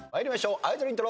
アイドルイントロ。